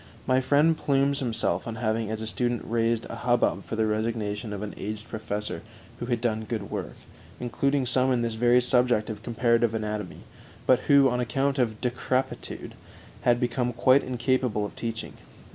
My friend plumes himself on having as a student raised a hubbub for the resignation of an aged professor who had done good work (including some in this very subject of comparative anatomy), but who, on account of decrepitude, had become quite incapable of teaching.